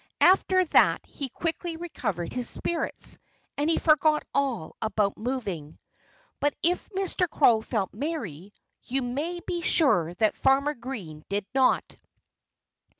After that he quickly recovered his spirits. And he forgot all about moving. But if Mr. Crow felt merry, you may be sure that Farmer Green did not.